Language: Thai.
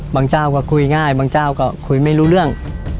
เจ้าก็คุยง่ายบางเจ้าก็คุยไม่รู้เรื่อง